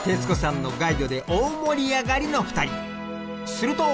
すると。